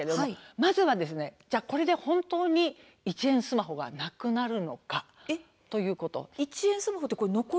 まず本当に、１円スマホがなくなるのかそういうことです。